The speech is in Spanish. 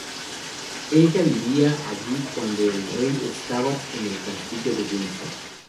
Ella vivía allí cuando el rey estaba en el castillo de Windsor.